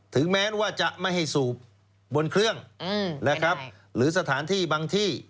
ถึงแม้ว่าจะไม่ให้สูบบนเครื่องนะครับหรือสถานที่บางที่